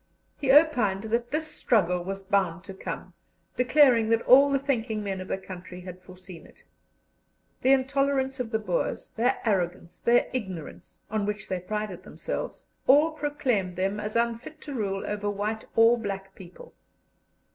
He opined that this struggle was bound to come, declaring that all the thinking men of the country had foreseen it. The intolerance of the Boers, their arrogance, their ignorance, on which they prided themselves, all proclaimed them as unfit to rule over white or black people.